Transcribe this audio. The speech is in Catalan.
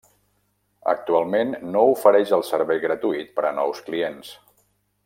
Actualment no ofereix el servei gratuït per a nous clients.